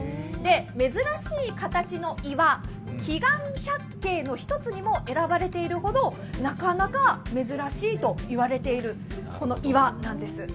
珍しい形の岩、奇岩百景の一つにも選ばれているほどなかなか珍しいといわれている岩なんです。